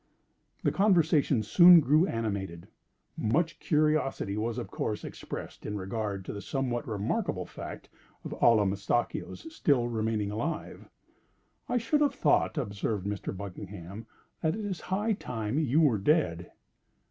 The conversation soon grew animated. Much curiosity was, of course, expressed in regard to the somewhat remarkable fact of Allamistakeo's still remaining alive. "I should have thought," observed Mr. Buckingham, "that it is high time you were dead."